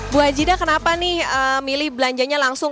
bu ajida kenapa nih milih belanjanya langsung